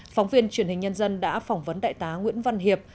phóng viên truyền hình nhân dân đã phỏng vấn đại tá nguyễn văn hiệp